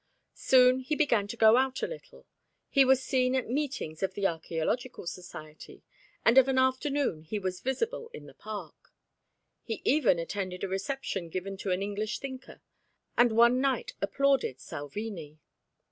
Soon he began to go out a little. He was seen at meetings of the Archæological Society and of an afternoon he was visible in the Park. He even attended a reception given to an English thinker, and one night applauded Salvini.